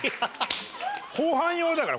後半用だから。